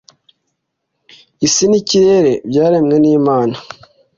isi n'ikirere byaremwe n'imana